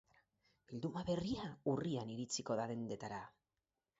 Bilduma berria urrian iritsiko da dendetara.